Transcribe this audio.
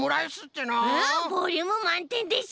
ボリュームまんてんでしょ！